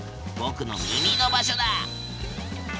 ぼくの耳の場所だ。